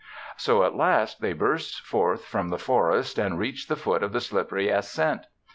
So at last they burst forth from the forest and reached the foot of the slippery ascent.